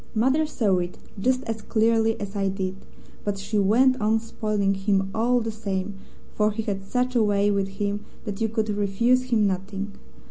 Mother saw it just as clearly as I did, but she went on spoiling him all the same, for he had such a way with him that you could refuse him nothing.